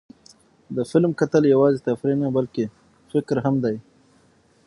د فلم کتل یوازې تفریح نه، بلکې فکر هم دی.